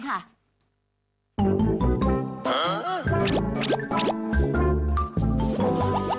ย่ายดาวข้าวอีย้าง